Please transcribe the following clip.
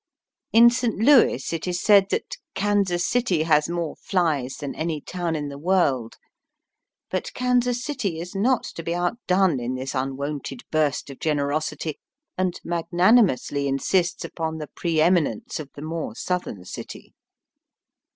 In St. Louis it is said that '^ Kansas City has more flies than any town in the world.'' But Kansas City is not to be outdone in this unwonted burst of generosity, and magnanimously insists upon the pre eminence of the more southern city.